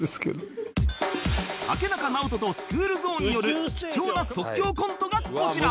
竹中直人とスクールゾーンによる貴重な即興コントがこちら